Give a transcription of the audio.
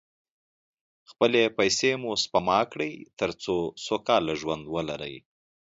خپلې پیسې مو سپما کړئ، تر څو سوکاله ژوند ولرئ.